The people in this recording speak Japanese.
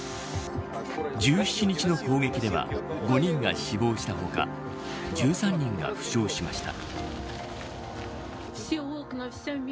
１７日の攻撃では５人が死亡したほか１３人が負傷しました。